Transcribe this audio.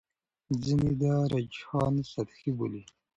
ځینې دا رجحان سطحي بولي.